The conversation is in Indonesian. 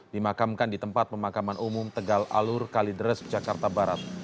dimakamkan di tempat pemakaman umum tegal alur kalideres jakarta barat